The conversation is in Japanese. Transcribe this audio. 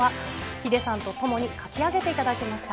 ヒデさんと共に書き上げていただきました。